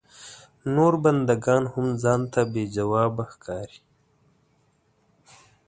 نور بنده ګان هم ځان ته بې ځوابه ښکاري.